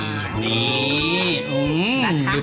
นี่อืม